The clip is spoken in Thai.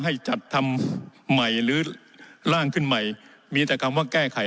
ให้จัดทำใหม่หรือร่างขึ้นใหม่มีแต่คำว่าแก้ไข